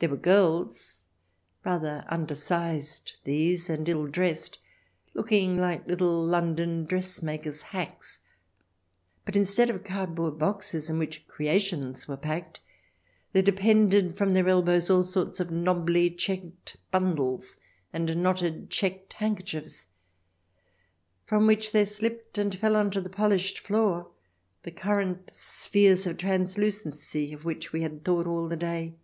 There were girls — rather undersized, these, and ill dressed, looking like little London dressmaker's hacks ; but instead of cardboard boxes in which " creations " were packed, there depended from their elbows all sorts of knobby checked bundles, and knotted checked handkerchiefs, from which there slipped and fell on to the polished floor the current spheres of translucency of which we had thought all the day.